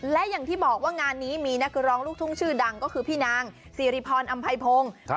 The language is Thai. และอย่างที่บอกว่างานนี้มีนักร้องลูกทุ่งชื่อดังก็คือพี่นางสิริพรอำไพพงศ์